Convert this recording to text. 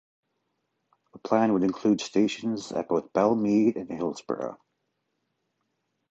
The plan would include stations at both Belle Mead and Hillsborough.